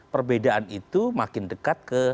perbedaan itu makin dekat ke